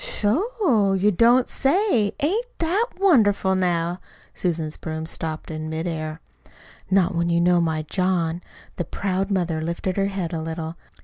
"Sho, you don't say! Ain't that wonderful, now?" Susan's broom stopped in midair. "Not when you know my John!" The proud mother lifted her head a little.